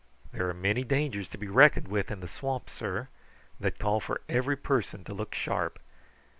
There are many dangers to be reckoned with in the swamp, sir, that call for every person to look sharp.